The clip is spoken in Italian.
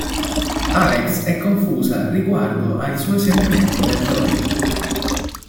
Alex è confusa riguardo ai suoi sentimenti per Joey.